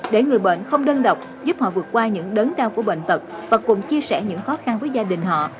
để người bệnh không đơn độc giúp họ vượt qua những đớn đau của bệnh tật và cùng chia sẻ những khó khăn với gia đình họ